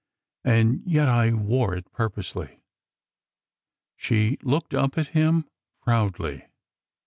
And yet— I wore it purposely." She looked up at him proudly.